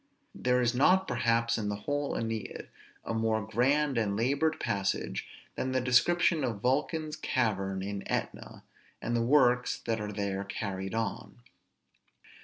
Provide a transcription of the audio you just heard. There is not, perhaps, in the whole Æneid a more grand and labored passage than the description of Vulcan's cavern in Etna, and the works that are there carried on.